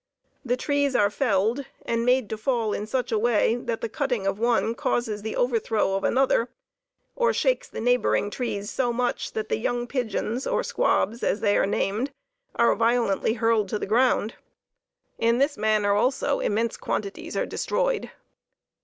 The trees are felled, and made to fall in such a way that the cutting of one causes the overthrow of another, or shakes the neighboring trees so much, that the young pigeons, or squabs, as they are named, are violently hurled to the ground. In this manner, also, immense quantities are destroyed.